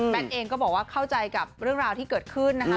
เองก็บอกว่าเข้าใจกับเรื่องราวที่เกิดขึ้นนะคะ